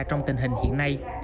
trong tình hình hiện nay